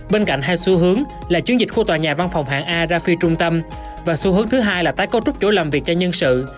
bên cạnh hai xu hướng là chiến dịch khu tòa nhà văn phòng hạng a ra phi trung tâm và xu hướng thứ hai là tái cấu trúc chỗ làm việc cho nhân sự